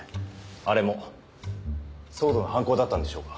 あれもＳＷＯＲＤの犯行だったんでしょうか。